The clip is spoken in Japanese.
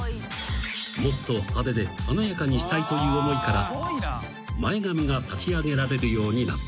［もっと派手で華やかにしたいという思いから前髪が立ち上げられるようになった］